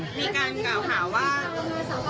มีการกล่าวหาว่า